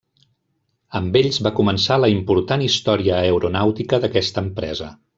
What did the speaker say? Amb ells va començar la important història aeronàutica d'aquesta empresa.